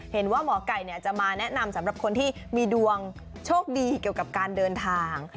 หมอไก่จะมาแนะนำสำหรับคนที่มีดวงโชคดีเกี่ยวกับการเดินทาง